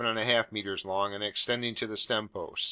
5 meters long and extending to the stempost.